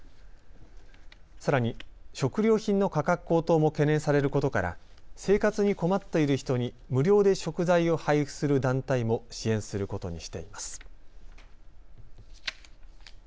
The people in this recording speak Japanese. さらに食料品の価格高騰も懸念されることから生活に困っている人に無料で食材を配布する団体も支援することにしています。